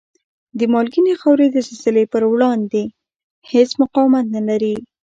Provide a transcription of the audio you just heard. مالګینې خاورې د زلزلې په وړاندې هېڅ مقاومت نلري؟